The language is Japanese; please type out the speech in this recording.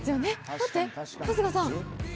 待って、春日さん。